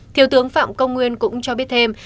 thiếu tướng phạm công nguyên cũng cho biết thêm